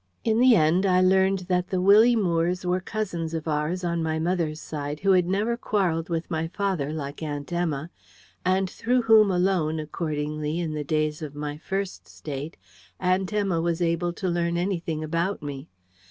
In the end I learned that the Willie Moores were cousins of ours on my mother's side who had never quarrelled with my father, like Aunt Emma, and through whom alone accordingly, in the days of my First State, Aunt Emma was able to learn anything about me.